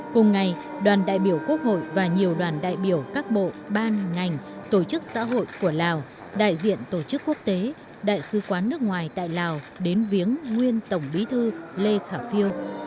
cùng ngày đoàn đại biểu quốc hội và nhiều đoàn đại biểu các bộ ban ngành tổ chức xã hội của lào đại diện tổ chức quốc tế đại sứ quán nước ngoài tại lào đến viếng nguyên tổng bí thư lê khả phiêu